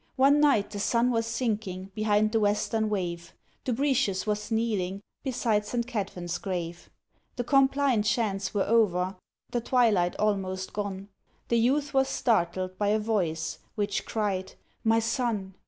One night the sun was sinking Behind the Western wave, Dubritius was kneeling Beside St. Cadfan's grave. The Compline chants were over, The twilight almost gone, The youth was startled by a voice Which cried—"My son!